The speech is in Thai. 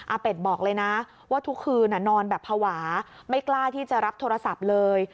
เป็ดบอกเลยนะว่าทุกคืนนอนแบบภาวะไม่กล้าที่จะรับโทรศัพท์เลย